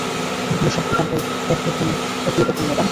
এখানে সব দোকান প্রায় একইরকম, ম্যাডাম।